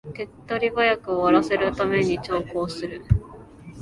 手っ取り早く終わらせるために長考する